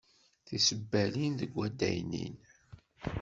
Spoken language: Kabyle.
Tisebbalin deg waddaynin.